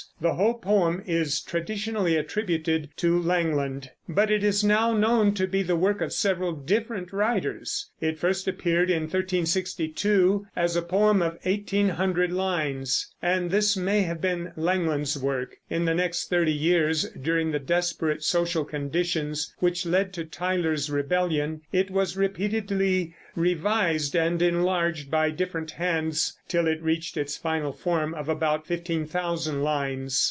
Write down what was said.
The whole poem is traditionally attributed to Langland; but it is now known to be the work of several different writers. It first appeared in 1362 as a poem of eighteen hundred lines, and this may have been Langland's work. In the next thirty years, during the desperate social conditions which led to Tyler's Rebellion, it was repeatedly revised and enlarged by different hands till it reached its final form of about fifteen thousand lines.